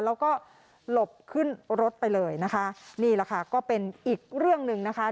แล้วก็หลบขึ้นรถไปเลยนะคะนี่แหละค่ะก็เป็นอีกเรื่องหนึ่งนะคะ